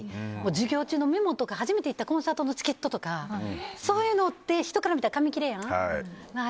授業中のメモとか、初めて行ったコンサートのチケットとかそういうのって人から見たら紙切れやん。